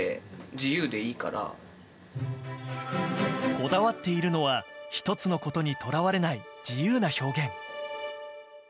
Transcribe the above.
こだわっているのは１つのことにとらわれない自由な表現。